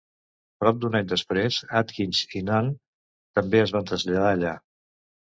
Prop d'un any després, Adkins i Nunn també es van traslladar allà.